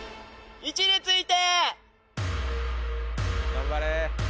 ・頑張れ！